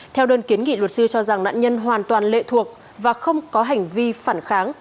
theo đơn kiến nghị luật sư cho rằng nạn nhân hoàn toàn lệ thuộc và không có hành vi phản kháng